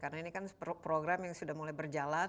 karena ini kan program yang sudah mulai berjalan